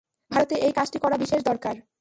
ভারতে এই কাজটি করা বিশেষ দরকার।